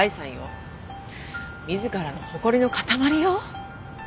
自らの誇りの塊よ。